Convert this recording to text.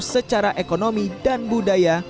secara ekonomi dan budaya